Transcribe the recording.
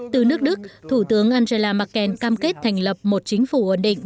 từ nước đức thủ tướng angela merkel cam kết thành lập một chính phủ ấn định